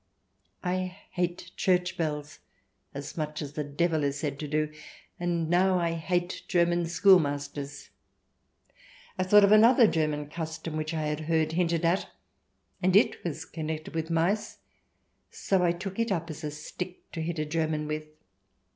I hate church bells as much as the Devil is said to do, and now I hate German schoolmasters. I thought of another German custom which I had heard hinted at, and it was connected with mice, so I took it up as a stick to hit a German with.